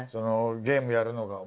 ゲームやるのか。